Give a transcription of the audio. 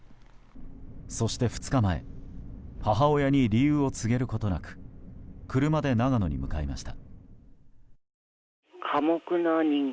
そして、２日前母親に理由を告げることなく車で長野に向かいました。